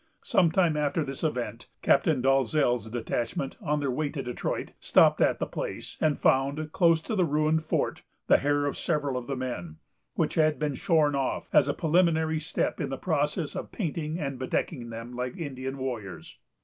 Some time after this event, Captain Dalzell's detachment, on their way to Detroit, stopped at the place, and found, close to the ruined fort, the hair of several of the men, which had been shorn off, as a preliminary step in the process of painting and bedecking them like Indian warriors.